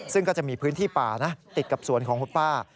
ซึ่งก็จะมีพื้นที่ป่านะติดกับสวนของคุณป้า